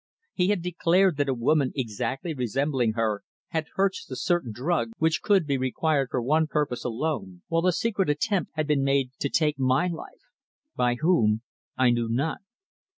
He had declared that a woman exactly resembling her had purchased a certain drug which could be required for one purpose alone, while a secret attempt had been made to take my life by whom I knew not.